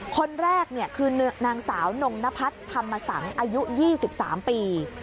คนแรกคือนางสาวนงนพัฒน์ธรรมสังอายุ๒๓ปี